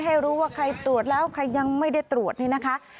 ให้รู้ว่าใครตรวจแล้วใครยังไม่ได้ตรวจนี่นะคะ